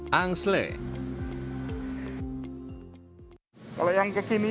yang paling menarik adalah makanan yang dikemas oleh angsley